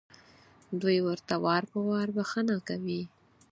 دوی ورته وار په وار بښنه کوي.